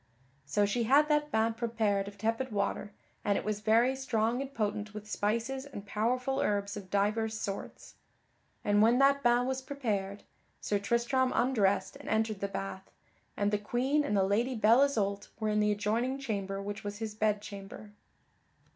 So she had that bain prepared of tepid water, and it was very strong and potent with spices and powerful herbs of divers sorts. And when that bain was prepared, Sir Tristram undressed and entered the bath, and the Queen and the Lady Belle Isoult were in the adjoining chamber which was his bed chamber.